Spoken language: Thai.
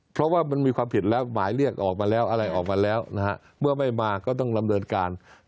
เพราะว่ามันมีความผิดแล้วหมายเรียกออกมาแล้วอะไรออกมาแล้วนะฮะเมื่อไม่มาก็ต้องดำเนินการ